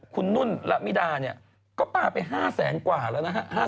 คุณนุ่นละมิดาเนี่ยก็ปลาไป๕แสนกว่าแล้วนะฮะ